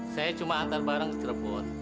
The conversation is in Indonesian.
saya cuma antar barang ke cirebon